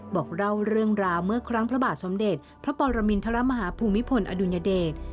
บอกเล่าเรื่องราวเมื่อครั้งพระบาทสมเด็จพระปรมินทรมาฮาภูมิพลอดุลยเดช